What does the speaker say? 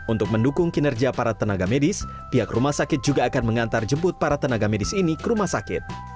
untuk mendukung kinerja para tenaga medis pihak rumah sakit juga akan mengantar jemput para tenaga medis ini ke rumah sakit